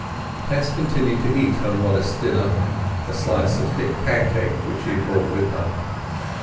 Tess continued to eat her modest dinner, a slice of thick pancake which she had brought with her.